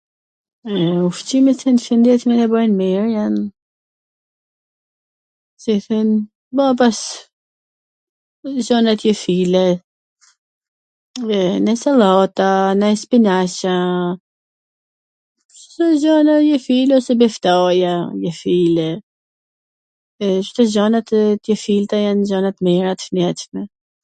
e, ushqime q jan t shwndetshme qw na bajn mir jan si i thojn babas gjanat jeshile, nonj sallat a, nonj spinaq a, Cdo gja ... ose me ftoj a, jeshile, e Cdo gjanat t jeshilta jan gjana t mira t shnetshme